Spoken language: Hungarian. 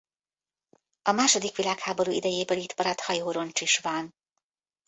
A második világháború idejéből itt maradt hajóroncs is van.